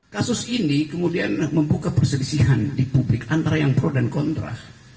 kasus ini kemudian membuka perselisihan di publik antara yang pro dan kontra